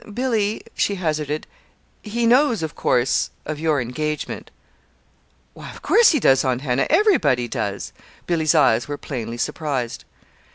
"Billy," she hazarded, "he knows, of course, of your engagement?" "Why, of course he does, Aunt Hannah everybody does!" Billy's eyes were plainly surprised.